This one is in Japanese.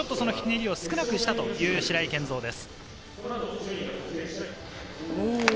ひねりを少なくしたという白井健三です。